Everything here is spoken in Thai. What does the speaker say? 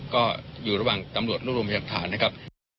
ก็อยู่ระหว่างตำรวจรวบรวมพยากฐานนะครับ